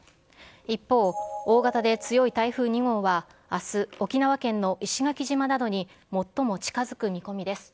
一方、大型で強い台風２号はあす、沖縄県の石垣島などに最も近づく見込みです。